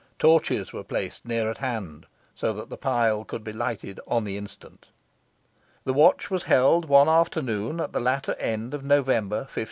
Torches were placed near at hand, so that the pile could be lighted on the instant. The watch was held one afternoon at the latter end of November, 1536.